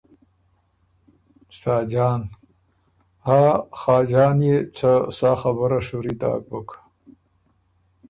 ساجان ـــ”ها خاجان يې څه سا خبُره شُوري داک بُک“